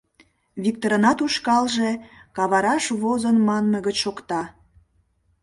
Виктырынат ушкалже кавараш возын, манме гыч шокта.